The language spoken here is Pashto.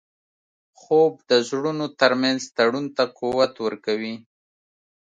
خوب د زړونو ترمنځ تړون ته قوت ورکوي